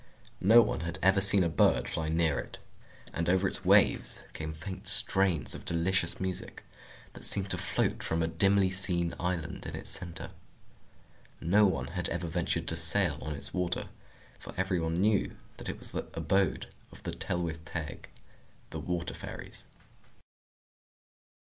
No one had ever seen a bird fly near it. And over its waves came faint strains of delicious music, that seemed to float from a dimly seen island in its centre. No one had ever ventured to sail on its water, for every one knew that it was the abode of the Tylwyth Teg, the Water Fairies.